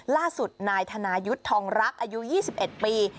ล่าสุดนายธนายุทธ์ทองรักอายุ๒๑ปี